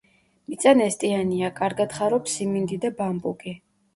მიწა ნესტიანია, კარგად ხარობს სიმინდი და ბამბუკი.